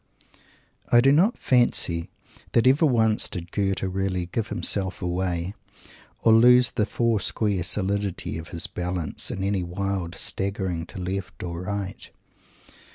I do not fancy that ever once did Goethe really "give himself away," or lose the foursquare solidity of his balance in any wild staggering to left or right.